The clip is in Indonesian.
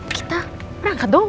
kita berangkat dong